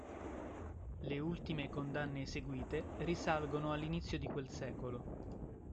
Le ultime condanne eseguite risalgono all'inizio di quel secolo.